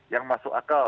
yang masuk akal